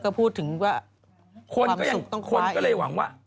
ก็พูดถึงว่าความสุขต้องคว้าอีก